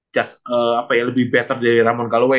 just lebih better dari ramon galway